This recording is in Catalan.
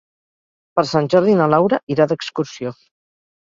Per Sant Jordi na Laura irà d'excursió.